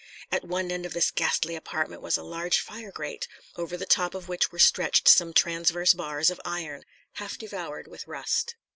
At one end of this ghastly apartment was a large fire grate, over the top of which were stretched some transverse bars of iron, half devoured with rust.